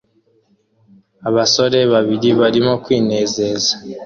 Abasore babiri barimo kwinezeza